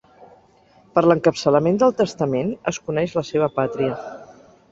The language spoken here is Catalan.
Per l'encapçalament del testament es coneix la seva pàtria.